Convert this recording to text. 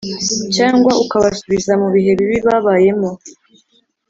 cyangwa ukabasubiza mu bihe bibi babayemo